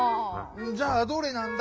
じゃあどれなんだ？